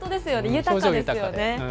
豊かですよね。